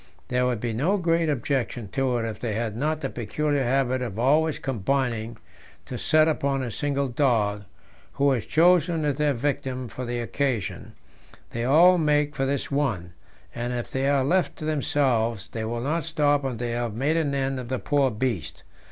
There would be no great objection to it if they had not the peculiar habit of always combining to set upon a single dog, who is chosen as their victim for the occasion; they all make for this one, and if they are left to themselves they will not stop until they have made an end of the poor beast.